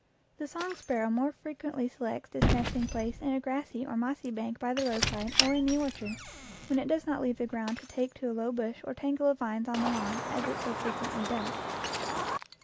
The song sparrow more frequently selects its nesting place in a grassy or mossy bank by the roadside or in the orchard, when it does not leave the ground to take to a low bush or tangle of vines on the lawn, as it so frequently does.